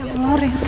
ya allah rena